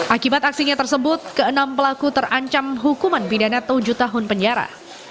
akibat aksinya tersebut ke enam pelaku terancam hukuman pidana tujuh tahun penjara